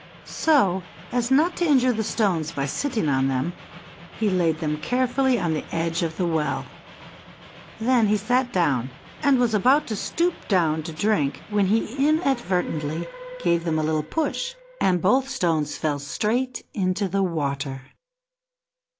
So as not to injure the stones by sitting on them, he laid them carefully on the edge of the well. Then he sat down, and was about to stoop down to drink when he inadvertently gave them a little push, and both the stones fell straight into the water.